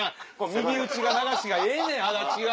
右打ち流しがええねん安達が。